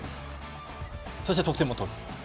そして得点も取る。